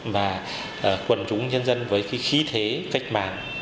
và quần chúng nhân dân với khí thế cách mạng